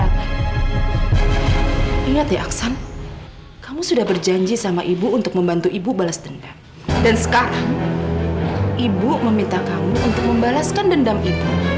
tania itu udah gak ada gunanya lagi sekali